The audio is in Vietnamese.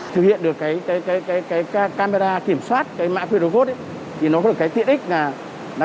thực hiện được cái camera kiểm soát cái mã qr code thì nó có được cái tiện ích là